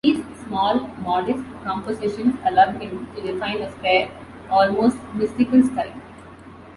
These small, modest, compositions allowed him to refine a spare almost mystical style.